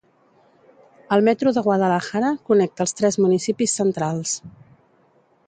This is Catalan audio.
El Metro de Guadalajara, connecta els tres municipis centrals.